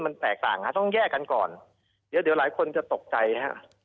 มันแตกต่างต้องแยกกันก่อนเดี๋ยวหลายคนจะตกใจครับ